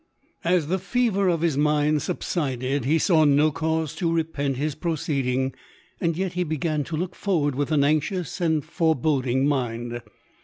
As the fever of his mind subsided, he saw no cause to repent his proceeding, and yet he be gan to look forward with an anxious and fore boding mind.